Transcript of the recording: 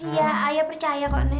iya ayah percaya kok